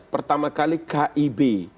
pertama kali kib